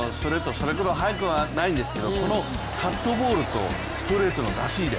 それほど速くはないんですけどこのカットボールとストレートの出し入れ。